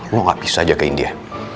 lo gak bisa saja ke india